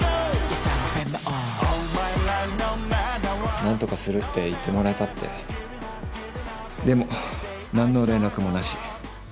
何とかするって言ってもらえでも何の連絡もなし。